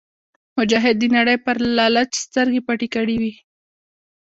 مجاهد د نړۍ پر لالچ سترګې پټې کړې وي.